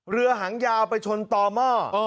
เรือหางยาวไปชนต่อหม้อ